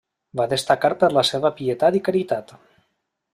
Va destacar per la seva pietat i caritat.